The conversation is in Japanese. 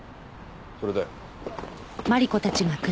それだよ。